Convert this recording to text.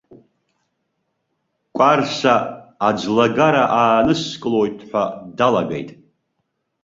Кәарса аӡлагара ааныскылоит ҳәа далагеит.